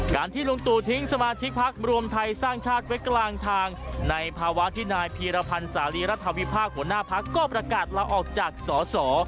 การที่ลุงตู่ทิ้งสมาชิกพักรวมไทยสร้างชาติไว้กลางทางในภาวะที่นายพีรพันธ์สารีรัฐวิพากษ์หัวหน้าพักก็ประกาศลาออกจากสอสอ